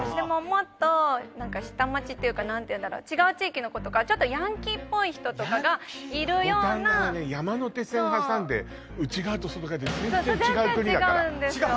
もっと何か下町っていうか何ていうんだろう違う地域の子とかちょっとヤンキーっぽい人とかがいるようなそうそうそう全然違うんですよ